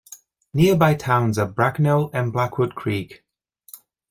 Nearby towns are Bracknell and Blackwood Creek.